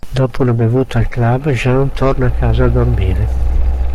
Dopo una bevuta al club, Jean torna a casa a dormire.